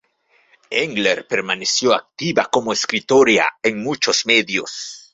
Engler permaneció activa como escritora en muchos medios.